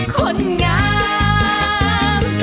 คนงาม